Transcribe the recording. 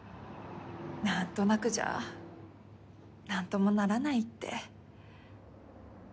何となくじゃ何ともならないって。